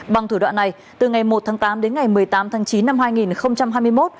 bằng thủ đoạn này từ ngày một tháng tám đến ngày một mươi tám tháng chín năm hai nghìn hai mươi một